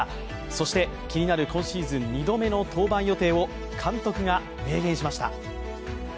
そして気になる今シーズン２度目の登板予定を監督が明言しました。